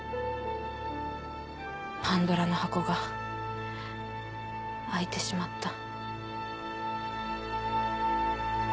パンドラの箱が開いてしまった。